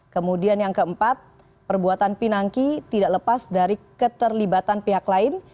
kemudian yang keempat perbuatan pinangki tidak lepas dari keterlibatan pihak lain